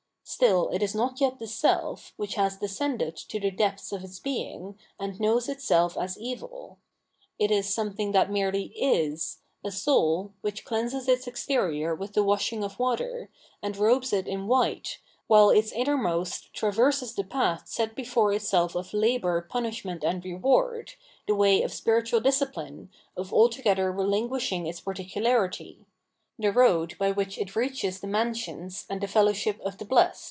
Still it is not yet the self, which has descended to the depths of its being, and knows itself as evil. It is somethiag that merely is, a soul, which cleanses its exterior with the washing of water, and robes it in white, while its innermost traverses the path set before itself of labour, punishment, and reward, the way of spiritual discipline, of altogether relinquishing its par ticularity — the road by which it reaches the mansions and the fellowship of the blest.